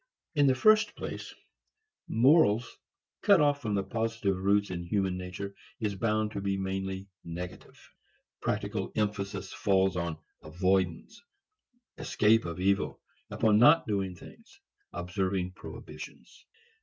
In the first place, morals cut off from positive roots in man's nature is bound to be mainly negative. Practical emphasis falls upon avoidance, escape of evil, upon not doing things, observing prohibitions.